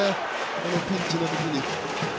このピンチのときに。